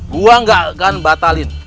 gue gak akan batalin